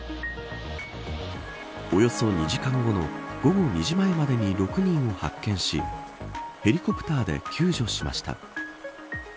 およそ２時間後の午後２時前までに６人を発見しヘリコプターで救助しました。